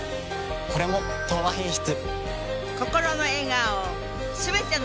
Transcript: これも「東和品質」。